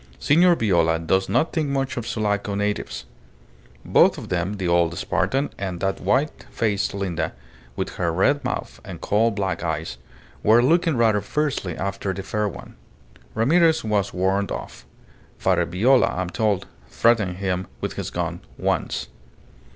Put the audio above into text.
Signor Viola does not think much of Sulaco natives. Both of them, the old Spartan and that white faced Linda, with her red mouth and coal black eyes, were looking rather fiercely after the fair one. Ramirez was warned off. Father Viola, I am told, threatened him with his gun once."